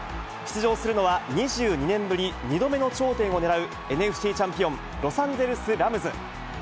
出場するのは、２２年ぶり２度目の頂点を狙うＮＦＣチャンピオン、ロサンゼルス・ラムズ。